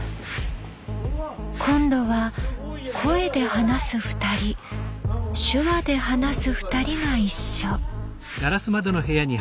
今度は声で話す２人手話で話す２人が一緒。